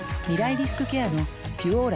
リスクケアの「ピュオーラ」